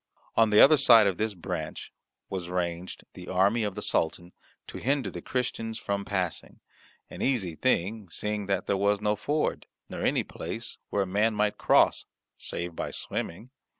On the other side of this branch was ranged the army of the Sultan, to hinder the Christians from passing, an easy thing seeing that there was no ford, nor any place where a man might cross save by swimming.